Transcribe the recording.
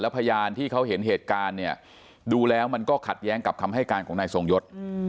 พยานที่เขาเห็นเหตุการณ์เนี่ยดูแล้วมันก็ขัดแย้งกับคำให้การของนายทรงยศ